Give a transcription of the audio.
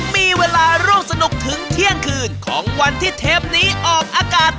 มีเวลาร่วมสนุกถึงเที่ยงคืนของวันที่เทปนี้ออกอากาศ